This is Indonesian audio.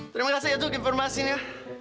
terima kasih ya tuk informasinya